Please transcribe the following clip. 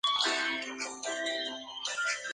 Más pequeño que su predecesor.